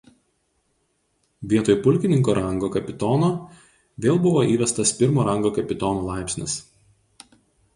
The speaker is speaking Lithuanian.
Vietoj pulkininko rango kapitono vėl buvo įvestas pirmo rango kapitono laipsnis.